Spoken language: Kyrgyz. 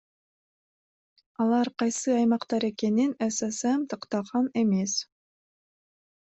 Алар кайсы аймактар экенин ССМ тактаган эмес.